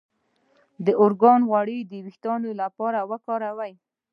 د ارګان غوړي د ویښتو لپاره وکاروئ